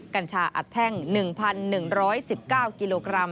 กัญชาอัดแท่ง๑๑๑๙กิโลกรัม